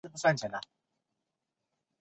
登清同治元年壬戌科二甲进士。